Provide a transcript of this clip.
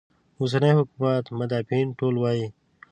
اوسني حکومت مدافعین ټول وایي.